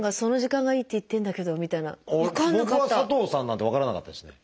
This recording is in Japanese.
僕は「佐藤さん」なんて分からなかったですね。